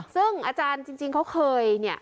ซึ่งอาจารย์จริงเขาเคยเนี่ย